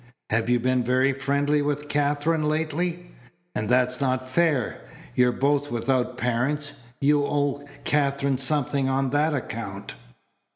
"Have you been very friendly with Katherine lately? And that's not fair. You're both without parents. You owe Katherine something on that account."